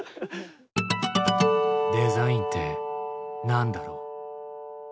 「デザインって何だろう？」。